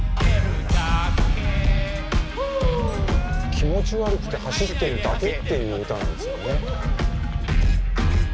「気持ち悪くて走ってるだけ」っていう歌なんですよね。